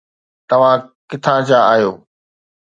توهان ڪٿان جا آهيو